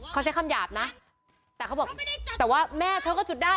เขาใช้คำหยาบนะแต่เขาบอกแต่ว่าแม่เธอก็จุดได้